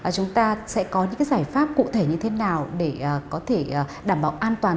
chúng ta sẽ có những giải pháp cụ thể như thế nào để có thể đảm bảo an toàn